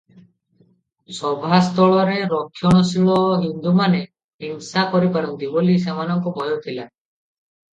ସଭାସ୍ଥଳରେ ରକ୍ଷଣଶୀଳ ହିନ୍ଦୁମାନେ ହିଂସା କରିପାରନ୍ତି ବୋଲି ସେମାନଙ୍କ ଭୟ ଥିଲା ।